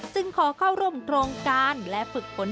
จึงขอเข้าร่วมโครงการและฝึกผล